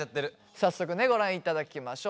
早速ねご覧いただきましょう。